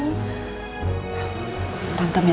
tante takut dia sakit karena dia mogok makan mogok minum